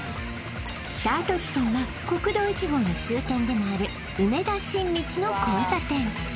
スタート地点は国道１号の終点でもある梅田新道の交差点